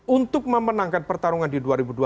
untuk memenangkan pertarungan di dua ribu dua puluh